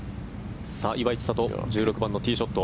岩井千怜１６番のティーショット。